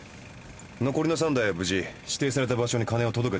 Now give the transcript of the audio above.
残りの３台は無事指定された場所に金を届けたそうです。